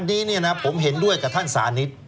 อันนี้ผมเห็นด้วยกับท่านสานิท